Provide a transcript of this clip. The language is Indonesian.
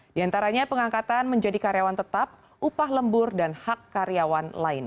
di antaranya pengangkatan menjadi karyawan tetap upah lembur dan hampir